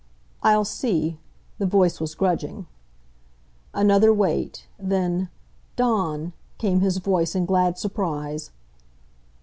"I'll see." The voice was grudging. Another wait; then "Dawn!" came his voice in glad surprise.